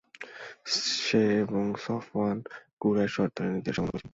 সে এবং Safwan Quraish সরদারের নির্দেশ অমান্য করেছিল।